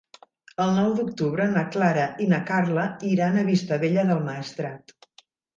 El nou d'octubre na Clara i na Carla iran a Vistabella del Maestrat.